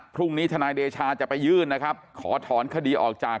ทนายเดชาจะไปยื่นนะครับขอถอนคดีออกจาก